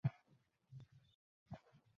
মহিষী উদয়াদিত্যকে ডাকাইয়া পাঠাইলেন।